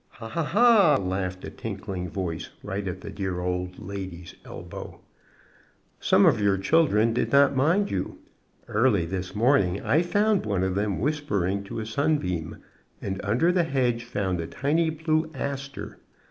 "Ha! ha! ha!" laughed a tinkling voice right at the dear old lady's elbow. "Some of your children did not mind you. Early this morning I found one of them whispering to a sunbeam, and under the hedge found a tiny blue aster.